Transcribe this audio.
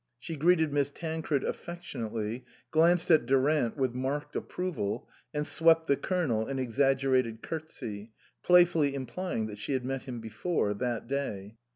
She greeted Miss Tancred affectionately, glanced at Durant with marked approval, and swept the Colonel an exaggerated curtsey, playfully imply ing that she had met him before, that day.